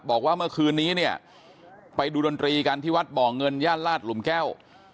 บอกว่าเมื่อคืนนี้เนี่ยไปดูดนตรีกันที่วัดบ่อเงินย่านลาดหลุมแก้ว